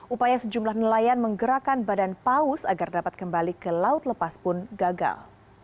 upaya sejumlah nelayan menggerakkan badan paus agar dapat kembali ke laut lepas pun gagal